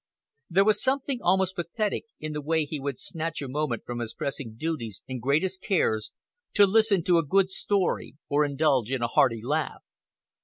There was something almost pathetic in the way he would snatch a moment from his pressing duties and gravest cares to listen to a good story or indulge in a hearty laugh.